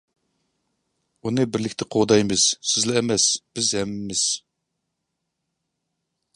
-ئۇنى بىرلىكتە قوغدايمىز. سىزلا ئەمەس، بىز ھەممىمىز!